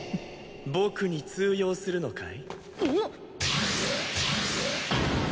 僕に通用するのかい？